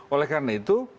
oleh karena itu